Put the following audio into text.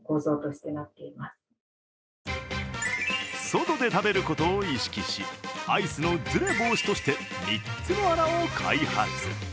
外で食べることを意識しアイスのずれ防止として３つの穴を開発。